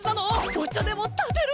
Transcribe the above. お茶でもたてるの？